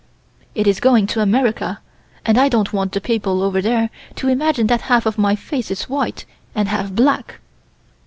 It is going to America, and I don't want the people over there to imagine that half of my face is white and half black."